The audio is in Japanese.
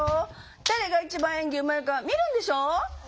誰が一番演技うまいか見るんでしょ！